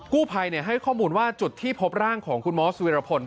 กู้ภัยให้ข้อมูลว่าจุดที่พบร่างของคุณมอสวิรพล